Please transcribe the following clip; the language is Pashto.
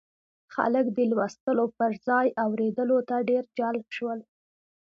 خلک د لوستلو پر ځای اورېدلو ته ډېر جلب شول.